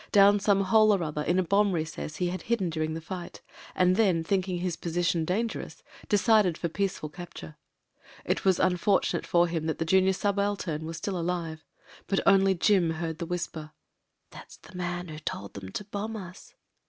Down some hole or other in a bomb recess he had hidden during the fight — ^and then, thinking his position dangerous, decided for peaceful capture. It was unfortunate for tiim the junior subaltern was still alive — ^but only Jim [leard the whisper: "That's the man who told them to bomb us."